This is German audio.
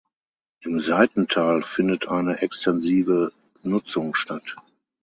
Im Seitental findet eine extensive Nutzung statt.